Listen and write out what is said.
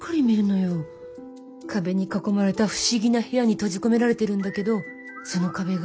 壁に囲まれた不思議な部屋に閉じ込められてるんだけどその壁が。